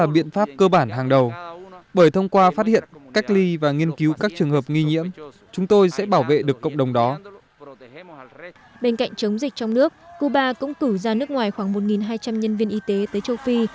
bên cạnh chống dịch trong nước cuba cũng cử ra nước ngoài khoảng một hai trăm linh nhân viên y tế tới châu phi